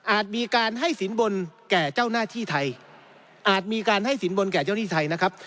มีการให้สินบนแก่เจ้าหน้าที่ไทยอาจมีการให้สินบนแก่เจ้าหนี้ไทยนะครับ